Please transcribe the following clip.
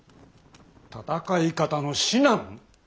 戦い方の指南？